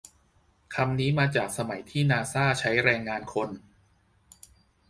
คำนี้มาจากสมัยที่นาซ่าใช้แรงงานคน